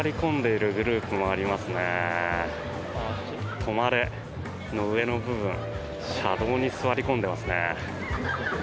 止まれの上の部分車道に座り込んでますね。